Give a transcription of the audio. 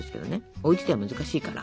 おうちでは難しいから。